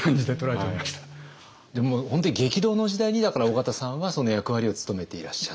本当に激動の時代にだから緒方さんはその役割を務めていらっしゃった。